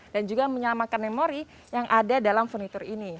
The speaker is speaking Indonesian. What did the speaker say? dan juga menyelamatkan memori yang ada dalam furniture ini